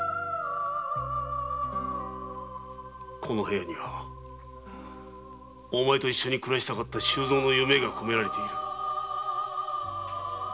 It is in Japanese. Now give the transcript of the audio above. この部屋にはお前と一緒に暮らしたかった周蔵の夢がこめられている。